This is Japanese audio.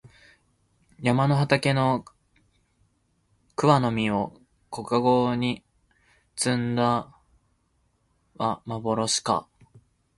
山の畑の桑の実を小かごに摘んだはまぼろしか